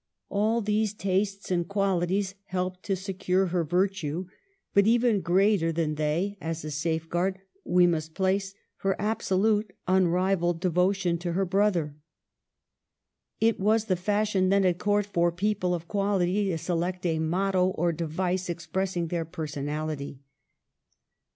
All these tastes and qualities helped to secure her virtue; but even greater than they as a safeguard we must place her absolute, unrivalled devotion to her brother. It was the fashion then at court for people of quality to select a motto or device expressing their personality.